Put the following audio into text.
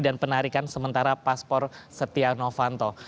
dan penarikan sementara paspor setia novanto